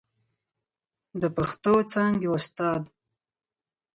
د پښتو څانګې استاد